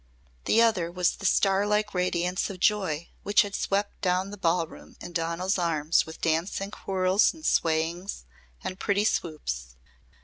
The other was the star like radiance of joy which had swept down the ballroom in Donal's arms with dancing whirls and swayings and pretty swoops.